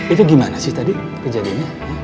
itu gimana sih tadi kejadiannya